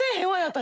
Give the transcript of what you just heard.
私。